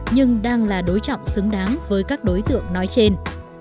nhưng đang là đối trọng xứng đáng với các đối tượng nói trên